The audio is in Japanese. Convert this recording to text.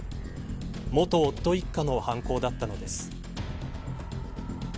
元夫一家の犯行だったのです。